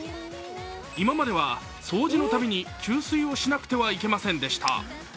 今までは、掃除のたびに給水をしなくてはいけませんでした。